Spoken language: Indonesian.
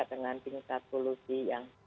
dengan tingkat polusi yang